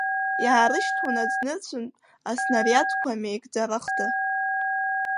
Иаарышьҭуан аӡнырцәынтә аснариадқәа меигӡарахда.